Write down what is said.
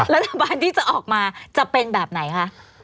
รัฐบาลที่จะออกมาจะเป็นแบบไหนคะ